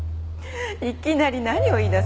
いきなり何を言い出すの？